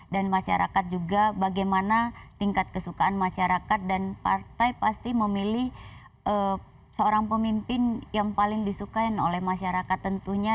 dan masyarakat juga bagaimana tingkat kesukaan masyarakat dan partai pasti memilih seorang pemimpin yang paling disukai oleh masyarakat tentunya